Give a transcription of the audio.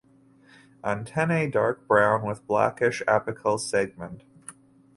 Antennae dark brown with blackish apical segment.